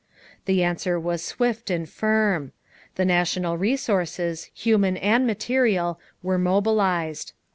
The answer was swift and firm. The national resources, human and material, were mobilized.